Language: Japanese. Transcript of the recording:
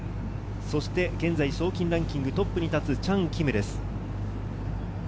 現在、賞金ランキングトップに立つチャン・キムです。